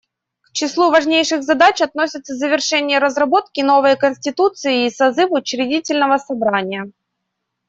К числу важнейших задач относятся завершение разработки новой конституции и созыв учредительного собрания.